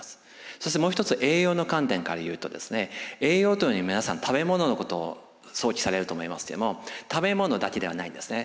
そしてもう一つ栄養の観点から言うと栄養というのは皆さん食べ物のことを想起されると思いますけども食べ物だけではないんですね。